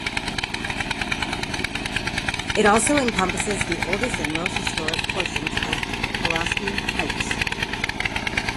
It also encompasses the oldest and most historic portions of Pulaski Heights.